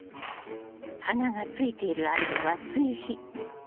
花がついている間は追肥。